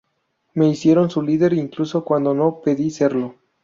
Me hicieron su líder incluso cuando no pedí serlo.